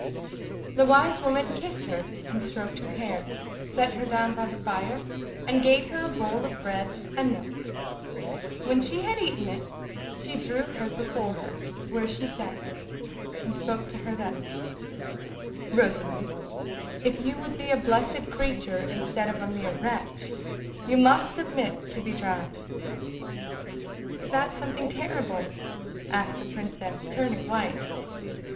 The wise woman kissed her and stroked her hair, set her down by the fire, and gave her a bowl of bread and milk. When she had eaten it she drew her before her where she sat, and spoke to her thus:— "Rosamond, if you would be a blessed creature instead of a mere wretch, you must submit to be tried." "Is that something terrible?" asked the princess, turning white.